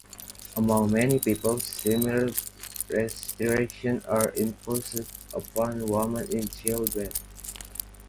Among many peoples similar restrictions are imposed upon women in childbed.